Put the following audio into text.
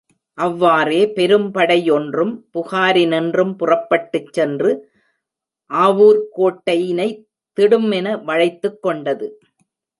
அவ்வாறே, பெரும்படை யொன்றும் புகாரினின்றும் புறப்பட்டுச் சென்று, ஆவூர்க் கோட்டையினைத் திடுமென வளைத்துக் கொண்டது.